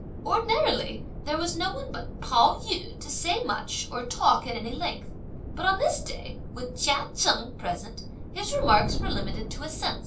Ordinarily, there was no one but Pao yü to say much or talk at any length, but on this day, with Chia Cheng present, his remarks were limited to assents.